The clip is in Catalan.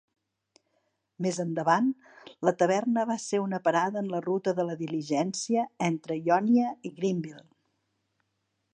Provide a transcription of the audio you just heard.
Més endavant, la taverna va ser una parada en la ruta de la diligència entre Ionia i Greenville.